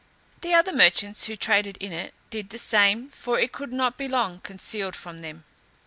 The other merchants, who traded in it, did the same, for it could not be long concealed from them.